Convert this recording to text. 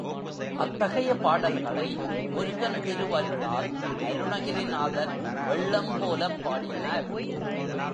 அத்தகைய பாடல்களை முருகன் திருவருளால் அருணகிரிநாதர் வெள்ளம் போலப் பாடினார்.